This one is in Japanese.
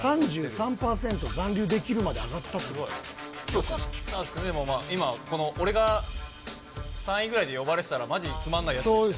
３３％、残留できるまで上がよかったっすね、今、この、俺が３位ぐらいで呼ばれてたら、マジつまんないやつでしたね。